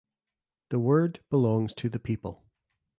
The Word Belongs To The People!